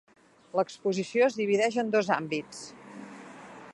L'exposició es divideix en dos àmbits.